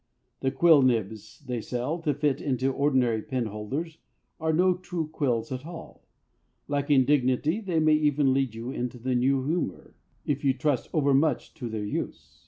The quill nibs they sell to fit into ordinary pen holders are no true quills at all, lacking dignity, and may even lead you into the New Humour if you trust overmuch to their use.